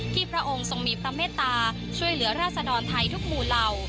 พระองค์ทรงมีพระเมตตาช่วยเหลือราศดรไทยทุกหมู่เหล่า